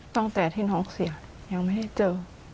ตั้งแต่ที่น้องเสียยังไม่ได้เจอ